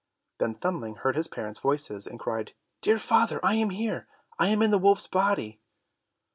Then Thumbling heard his parents, voices and cried, "Dear father, I am here; I am in the wolf's body."